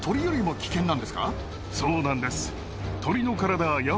そうなんです。